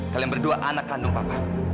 kalian berdua anak kandung papa